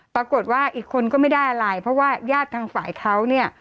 ปรากฏว่าอีกคนก็ไม่ได้อะไรเพราะว่าญาติทางฝ่ายเขาเนี่ย